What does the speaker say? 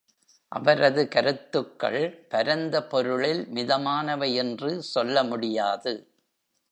அவரது கருத்துக்கள் பரந்த பொருளில் மிதமானவை என்று சொல்ல முடியாது.